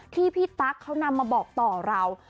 ที่พี่ตั๊กเขานำมาบอกต่อเรา